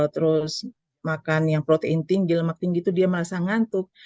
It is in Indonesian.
terus makan yang protein tinggi lemak tinggi itu dia merasa ngantuk